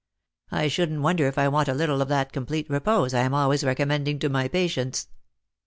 I shouldn't wonder if I want a little of that complete repose I am always recommending to my patients."